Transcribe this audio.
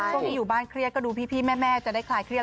ช่วงนี้อยู่บ้านเครียดก็ดูพี่แม่จะได้คลายเครียด